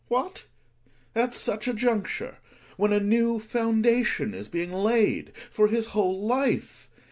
Gregers. What ! At such a j tincture, when a new foundation is being laid for his whole life.